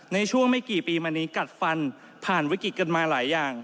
ในช่วงไม่กี่ปีมานี้กัดฟันผ่านวิกฤตกันมาหลายอย่าง